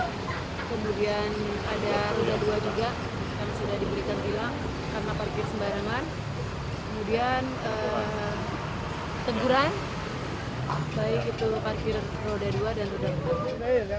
kemudian ada roda dua juga yang sudah diberikan hilang karena parkir sembarangan